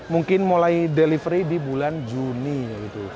mungkin mulai delivery di bulan juni gitu